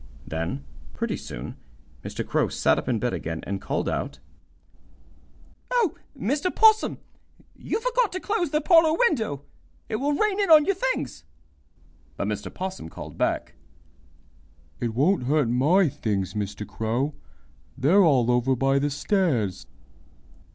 Then, pretty soon, Mr. Crow sat up in bed again and called out: "Oh, Mr. 'Possum! You forgot to close the parlor window. It will rain in on your things." But Mr. 'Possum called back: "It won't hurt MY things, Mr. Crow. They're all over by the stairs."